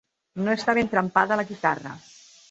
No estar ben trempada la guitarra.